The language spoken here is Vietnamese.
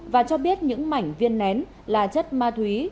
và cho biết những mảnh viên nén là chất ma túy